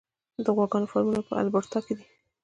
د غواګانو فارمونه په البرټا کې دي.